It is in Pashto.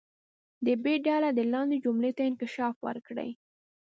د ب ډله دې لاندې جملې ته انکشاف ورکړي.